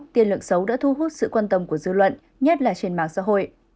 tiền lượng xấu đã thu hút sự quan tâm của dư luận nhất là trên mạng xã hội